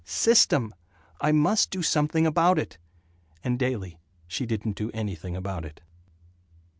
System. I must do something about it." And daily she didn't do anything about it.